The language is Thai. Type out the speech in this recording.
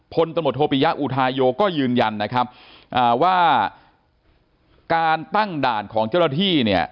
ตมโทปิยะอุทาโยก็ยืนยันนะครับอ่าว่าการตั้งด่านของเจ้าหน้าที่เนี่ย